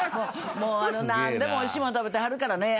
もう何でもおいしい物食べてはるからね。